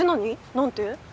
何て？